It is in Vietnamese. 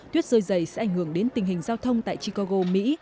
tuyết rơi dày sẽ ảnh hưởng đến tình hình giao thông tại chicago mỹ